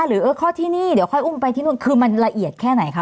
หรือเออคลอดที่นี่เดี๋ยวค่อยอุ้มไปที่นู่นคือมันละเอียดแค่ไหนคะ